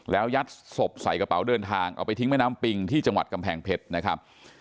แล้วยัดศพใส่กระเป๋าเดินทางเอาไปทิ้งแม่น้ำปิงที่จังหวัดกำแพงเพชรนะครับ